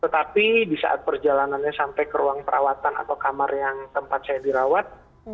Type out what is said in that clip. tetapi di saat perjalanannya sampai ke ruang perawatan atau kamar yang tempat saya dirawat